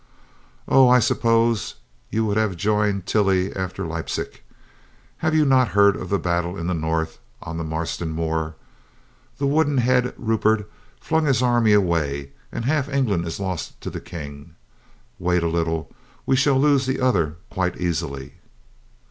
"Oh, I suppose you would have joined Tilly after Leipslc. Have you not heard of the battle in the north on the Marston Moor? That wooden head Rupert flung his army away, and half England is COLONEL STOW MAKES A MISTAKE 107 lost to the King. Wait a little. We shall lose the other quite easily."